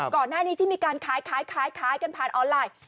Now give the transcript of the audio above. ก่อนหน้านี้ที่มีการขายกันผ่านออนไลน์